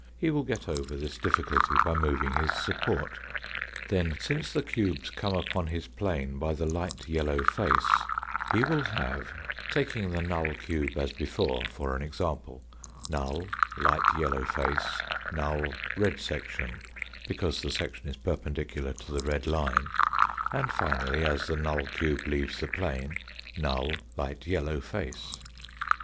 He will get over this difficulty by moving his support. Then, since the cubes come upon his plane by the light yellow face, he will have, taking the null cube as before for an example, null, light yellow face; null, red section, because the section is perpendicular to the red line ; and finally, as the null cube leaves the plane, null, light yellow face.